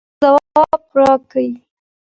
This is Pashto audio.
ځواب راکړئ